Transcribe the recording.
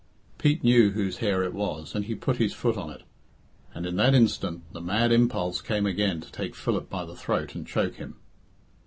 Pete knew whose hair it was, and he put his foot on it, and that instant the mad impulse came again to take Philip by the throat and choke him.